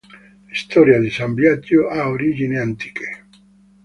La storia di San Biagio ha origini antiche.